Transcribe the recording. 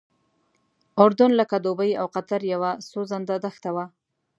اردن لکه دوبۍ او قطر یوه سوځنده دښته وه.